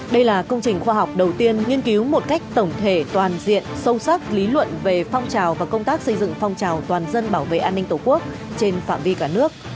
đây là công trình khoa học đầu tiên nghiên cứu một cách tổng thể toàn diện sâu sắc lý luận về phong trào và công tác xây dựng phong trào toàn dân bảo vệ an ninh tổ quốc trên phạm vi cả nước